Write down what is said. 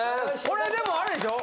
これでもあれでしょ？